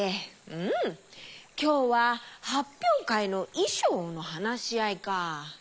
きょうははっぴょうかいのいしょうのはなしあいか。